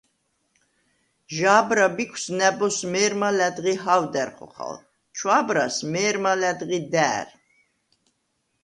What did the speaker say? ჟა̄ბრა ბიქვს ნა̈ბოზს მე̄რმა ლა̈დღი ჰა̄ვდა̈რ ხოხალ, ჩვა̄ბრას − მე̄რმა ლა̈დღი და̄̈რ.